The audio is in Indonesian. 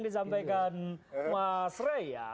disampaikan mas rey ya